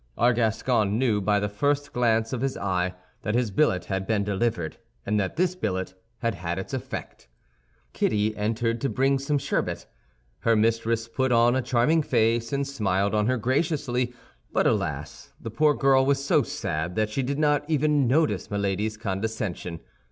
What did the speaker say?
Our Gascon knew, by the first glance of his eye, that his billet had been delivered, and that this billet had had its effect. Kitty entered to bring some sherbet. Her mistress put on a charming face, and smiled on her graciously; but alas! the poor girl was so sad that she did not even notice Milady's condescension.